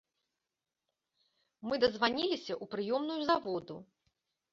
Мы дазваніліся ў прыёмную заводу.